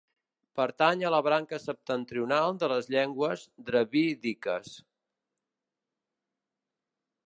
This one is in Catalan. Pertany a la branca septentrional de les llengües dravídiques.